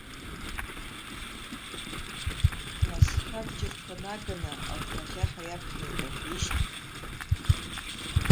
Нас, шәабџьарқәа наганы, ахәхәа-ӷьӷьаҳәа иаԥхьа илкашәыжьт?